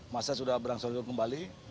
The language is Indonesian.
masa sudah berangsa angsa kembali